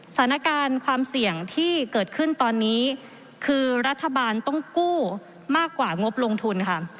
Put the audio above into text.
สถานการณ์ความเสี่ยงที่เกิดขึ้นตอนนี้คือรัฐบาลต้องกู้มากกว่างบลงทุนค่ะ